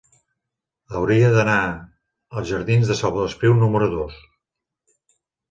Hauria d'anar als jardins de Salvador Espriu número dos.